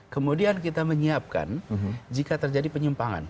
kemudian kita menyiapkan jika terjadi penyimpangan